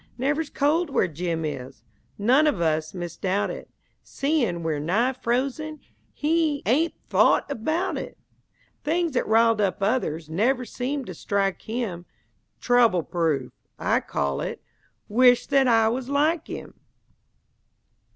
Never's cold where Jim is None of us misdoubt it, Seein' we're nigh frozen! He "ain't thought about it!" Things that rile up others Never seem to strike him! "Trouble proof," I call it, Wisht that I was like him!